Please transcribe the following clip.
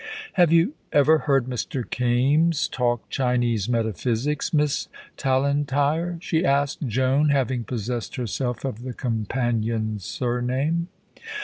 "Have you ever heard Mr. Kaimes talk Chinese metaphysics, Miss Tallentire?" she asked Joan, having possessed herself of the companion's surname.